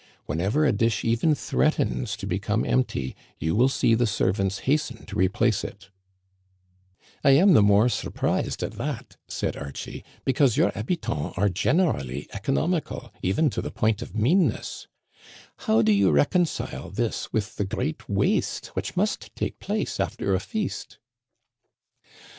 Whenever a dish even threatens to become empty, you will see the servants hasten to re place it." I am the more surprised at that," said Archie, "be cause your habitants are generally economical, even to Digitized by VjOOQIC D'lIABERVILLE MANOR HOUSE, 113 the point of meanness. How do you reconcile this with the great waste which must take place after a feast